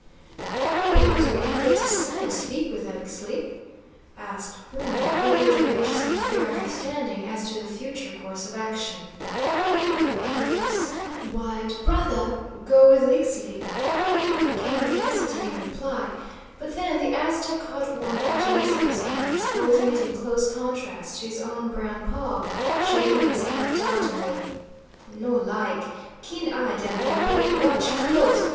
"But we could get to see and speak with them, Ixtli?" asked Bruno, eager to reach some fair understanding as to the future course of action. "Yes, white brother, go with Ixtli," came the hesitating reply; but then the Aztec caught one of Gillespie's hands, holding it in close contrast to his own brown paw, shaking his head doubtingly. "No like. Keen eye, dem people. Watch close.